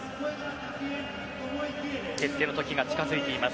決戦の瞬間が近づいています。